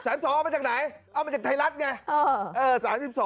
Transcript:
เอามาจากไหนเอามาจากไทยรัฐไง